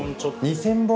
２０００本⁉